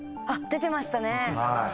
あっ出てましたね。